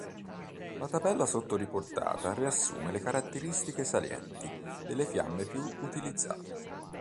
La tabella sotto riportata riassume le caratteristiche salienti delle fiamme più utilizzate.